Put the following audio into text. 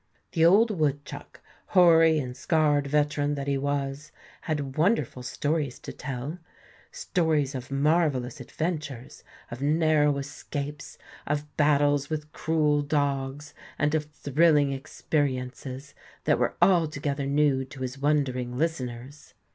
The old woodchuck hoary and scarred veteran that he was had wonderful stories to tell, stories of marvellous adventures, of narrow escapes, of battles with cruel dogs, and of thrilling experiences that were altogether new to his wondering listeners.